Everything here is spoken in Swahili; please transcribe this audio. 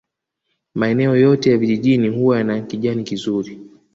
Maeneo yote ya vijijini huwa yana kijani kizuri